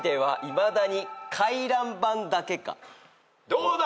どうだ？